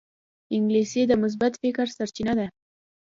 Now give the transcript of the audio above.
انګلیسي د مثبت فکر سرچینه ده